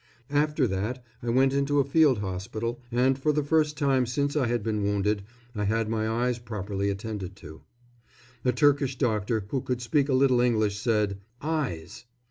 After that I went into a field hospital, and for the first time since I had been wounded I had my eyes properly attended to. A Turkish doctor who could speak a little English said "Eyes!"